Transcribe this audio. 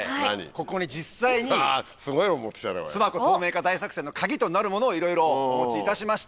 ここに実際に巣箱透明化大作戦の鍵となるものをいろいろお持ちいたしました。